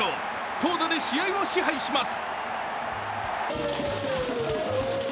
投打で試合を支配します。